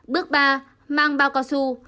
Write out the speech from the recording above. bước ba mang bao cao su